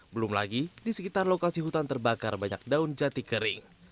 belum lagi di sekitar lokasi hutan terbakar banyak daun jati kering